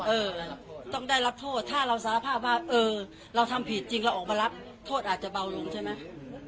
เออต้องได้รับโทษถ้าเราสารภาพว่าเออเราทำผิดจริงเราออกมารับโทษอาจจะเบาลงใช่ไหม